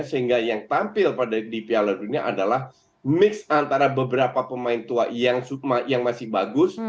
sehingga yang tampil di piala dunia adalah mix antara beberapa pemain tua yang masih bagus